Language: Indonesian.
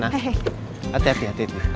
nah hati hati rena